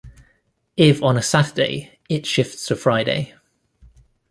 If on a Saturday, it shifts to Friday.